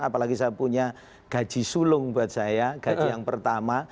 apalagi saya punya gaji sulung buat saya gaji yang pertama